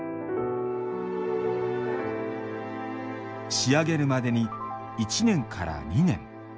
仕上げるまでに１年から２年。